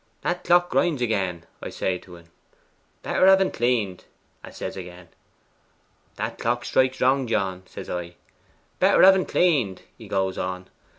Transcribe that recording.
"That clock grinds again," I say to en. "Better have en claned," 'a says again. "That clock strikes wrong, John," says I. "Better have en claned," he goes on.